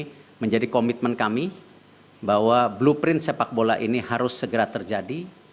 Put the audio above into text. jadi ini menjadi komitmen kami bahwa blueprint sepak bola ini harus segera terjadi